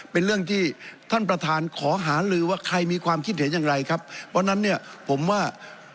เป็นเรื่องที่ท่านประธานขอหาลือว่าใครมีความคิดเห็นอย่างไรครับเพราะฉะนั้นเนี่ยผมว่า